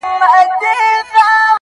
د وخت له کانه به را باسمه غمی د الماس .